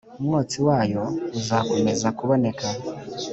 umwotsi wayo uzakomeza kuboneka